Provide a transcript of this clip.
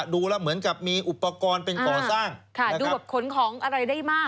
ดูแล้วเหมือนกับมีอุปกรณ์เป็นก่อสร้างค่ะดูแบบขนของอะไรได้มาก